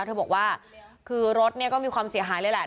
เธอบอกว่าคือรถเนี่ยก็มีความเสียหายเลยแหละ